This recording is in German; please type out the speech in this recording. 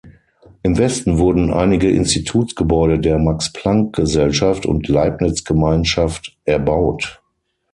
Im Westen wurden einige Institutsgebäude der Max-Planck-Gesellschaft und Leibniz-Gemeinschaft erbaut.